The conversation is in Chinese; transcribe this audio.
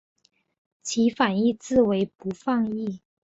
其反义字为不放逸。